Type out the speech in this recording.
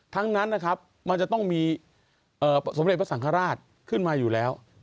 ทั้งนั้นนะครับมันจะต้องมีสมเด็จพระสังฆราชขึ้นมาอยู่แล้ว